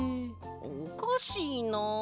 おかしいな。